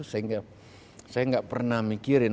saya gak pernah mikirin